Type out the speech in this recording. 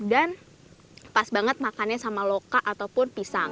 dan pas banget makannya sama loka ataupun pisang